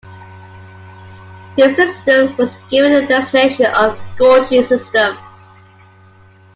This system was given the designation of "Giorgi system".